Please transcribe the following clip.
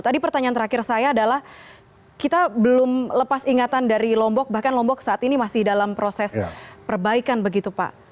tadi pertanyaan terakhir saya adalah kita belum lepas ingatan dari lombok bahkan lombok saat ini masih dalam proses perbaikan begitu pak